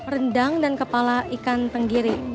rendang dan kepala ikan tenggiri